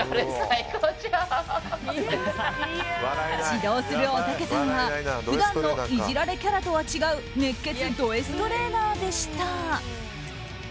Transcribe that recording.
指導するおたけさんは普段のイジられキャラとは違う熱血ドＳトレーナーでした。